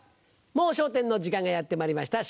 『もう笑点』の時間がやってまいりました。